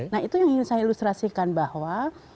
nah itu yang ingin saya ilustrasikan bahwa